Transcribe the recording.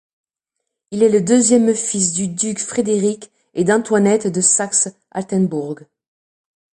Il est le deuxième fils du duc Frédéric et d'Antoinette de Saxe-Altenbourg.